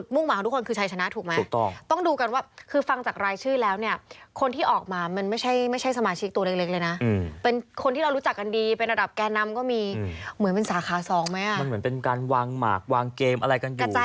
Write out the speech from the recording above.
ผู้ชมต้องดูกันว่าคือฟังจากรายชื่อแล้วเนี่ย